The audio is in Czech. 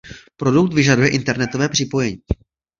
Produkt vyžaduje internetové připojení.